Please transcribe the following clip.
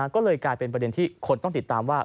ก็เลยกลายเป็นประเด็นที่คนต้องติดตามว่า